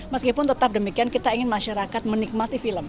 meskipun tetap demikian kita ingin masyarakat menikmati film